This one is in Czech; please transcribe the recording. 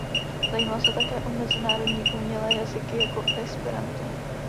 Zajímal se také o mezinárodní umělé jazyky jako esperanto.